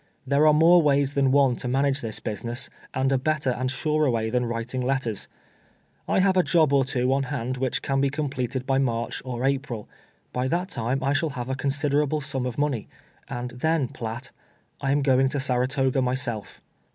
There are more ways than one to manage this business, and a better and surer way than writing letters. I have a job or two on hand which can be completed by March or April. By that time I shall have a considerable sum of money, and then, Piatt, I am going to Sarato ga myself."